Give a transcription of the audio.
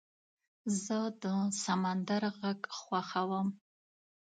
زه د سمندر غږ خوښوم.